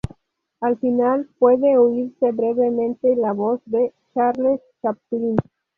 Al final puede oírse brevemente la voz de Charles Chaplin.